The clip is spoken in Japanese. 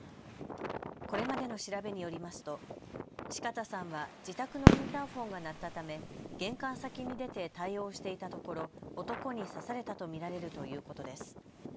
これまでの調べによりますと四方さんは自宅のインターフォンが鳴ったため玄関先に出て対応していたところ男に刺されたと見られるということです。